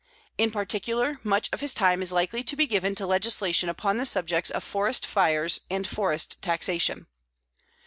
In particular, much of his time is likely to be given to legislation upon the subjects of forest fires and forest taxation.